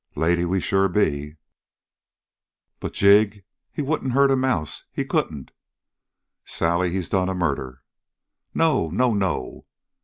"Lady, we sure be." "But Jig he wouldn't hurt a mouse he couldn't!" "Sally, he's done a murder!" "No, no, no!"